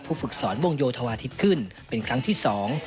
ฝึกสอนวงโยธวาทิศขึ้นเป็นครั้งที่สอง